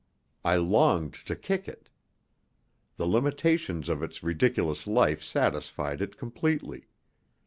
I longed to kick it. The limitations of its ridiculous life satisfied it completely.